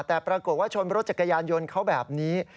แต่ปรากฏว่าชนรถจักรยานยนต์เขาแบบนี้